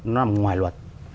nó nằm ngoài luật